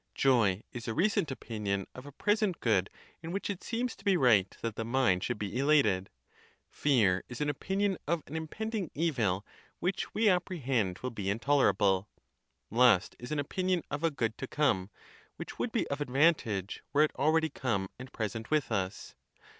Joy is a recent opinion of a present good, in which it seems to be right that the mind should be elated. Fear is an opinion of an impend ing evil which we apprehend will be intolerable. _ Lust is an opinion of a good to come, which would be of advan tage were it already come, and present with us.